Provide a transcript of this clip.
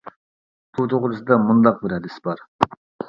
بۇ توغرىسىدا مۇنداق بىر ھەدىس بار.